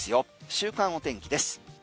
週間お天気です。